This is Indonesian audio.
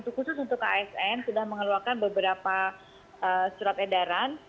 khusus untuk asn sudah mengeluarkan beberapa surat edaran